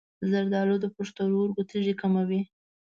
زردآلو د پښتورګو تیږې کموي.